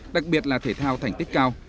đặc biệt là thể thao thành tích cao